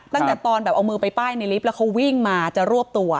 ตั้งแต่ตอนแบบเอามือไปป้ายในลิฟต์แล้วเขาวิ่งมาจะรวบตัว